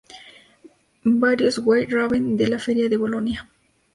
Varios "White Raven" de la feria de Bolonia.